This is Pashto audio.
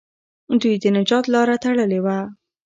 دوی د نجات لاره تړلې وه.